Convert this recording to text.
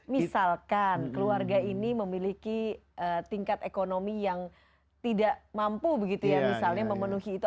misalkan keluarga ini memiliki tingkat ekonomi yang tidak mampu begitu ya misalnya memenuhi itu